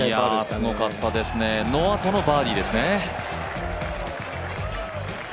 すごかったですね、そのあとのバーディーですね。